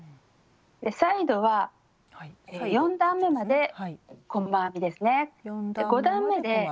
サイドは４段めまで細編みですね。